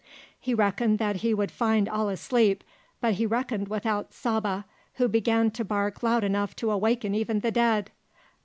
He reckoned that he would find all asleep, but he reckoned without Saba, who began to bark loud enough to awaken even the dead.